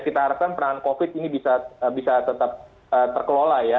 kita harapkan perang covid ini bisa tetap terkelola ya